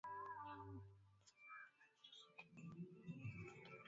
Wamasai hawana utamaduni wa kufanya misiba